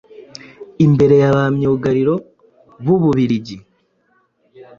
imbere ya ba myugariro b'u Bubiligi